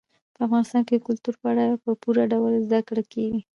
په افغانستان کې د کلتور په اړه په پوره ډول زده کړه کېږي.